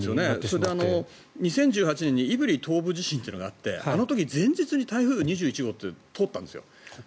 それで２０１８年に胆振東部地震というのがあってあの時、前日に台風２１号が通ったんです。